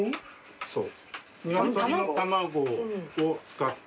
そう。